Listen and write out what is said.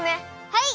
はい！